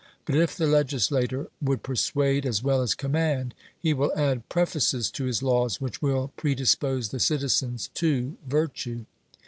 But if the legislator would persuade as well as command, he will add prefaces to his laws which will predispose the citizens to virtue.